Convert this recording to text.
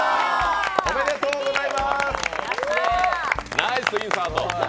ナイスインサート。